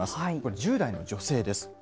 １０代の女性です。